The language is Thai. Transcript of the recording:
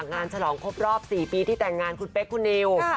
ฉลองครบรอบ๔ปีที่แต่งงานคุณเป๊กคุณนิว